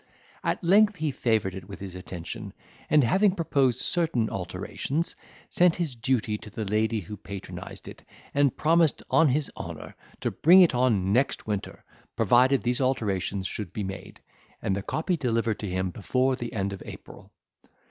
"At length he favoured it with his attention, and having proposed certain alterations, sent his duty to the lady who patronised it, and promised, on his honour, to bring it on next winter, provided these alterations should be made, and the copy delivered to him before the end of April.